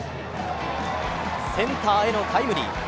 センターへのタイムリー。